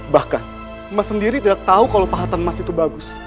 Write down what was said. bahkan emas sendiri tidak tahu kalau pahatan emas itu bagus